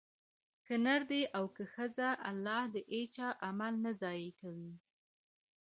که نر دی او که ښځه؛ الله د هيچا عمل نه ضائع کوي